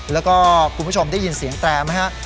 แล้วก็คุณผู้ชมได้ยินเสียงแตรไหมฮะ